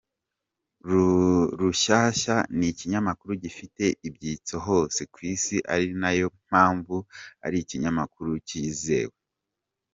Rushyashya n’ikinyamakuru gifite ibyitso hose kw’isi ari nayo mpamvu ar’ikinyamakuru kizewe.